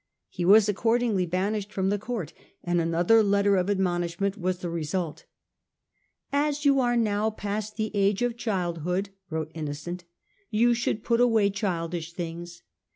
He was accordingly banished from the Court and another letter of admonishment was the re sult. " As you are now past the age of childhood," wrote Innocent, " you should put away childish things.